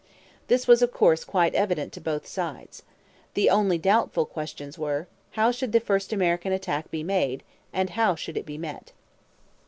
This was, of course, quite evident to both sides. The only doubtful questions were, How should the first American attack be made and how should it be met?